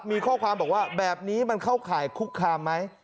มีข้อความบอกว่าแบบนี้มันเข้าข่ายคุกคามไหม